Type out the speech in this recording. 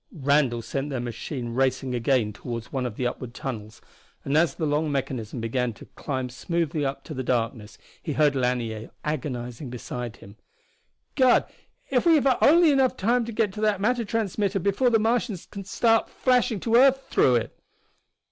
Randall sent their machine racing again toward one of the upward tunnels, and as the long mechanism began to climb smoothly up the darkness he heard Lanier agonizing beside him. "God, if we have only enough time to get to that matter transmitter before the Martians start flashing to earth through it!"